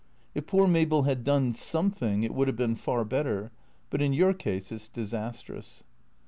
If poor Mabel had done something it would have been far better. But in your case it 's disastrous."